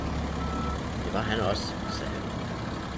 Det var han også, sagde han.